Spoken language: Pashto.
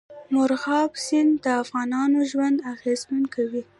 مورغاب سیند د افغانانو ژوند اغېزمن کوي.